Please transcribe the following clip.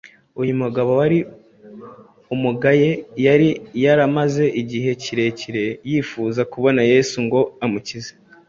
Uyu mugabo wari umugaye yari yaramaze igihe kirekire yifuza kubona Yesu ngo amukize;